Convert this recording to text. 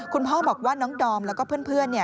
คุณพ่อบอกว่าน้องดอมแล้วก็เพื่อน